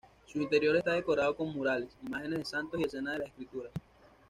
Su interior está decorado con murales, imágenes de santos y escenas de las escrituras.